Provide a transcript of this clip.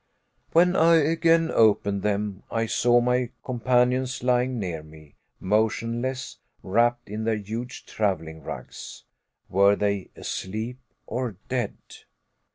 When I again opened them, I saw my companions lying near me, motionless, wrapped in their huge traveling rugs. Were they asleep or dead?